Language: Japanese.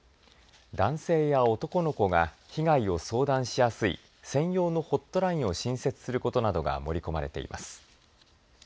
男性や男の子が被害を相談しやすい専用のホットラインを新設することなどが盛り込まれています。